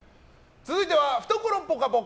続いては懐ぽかぽか！